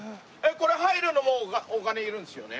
これ入るのもお金いるんですよね？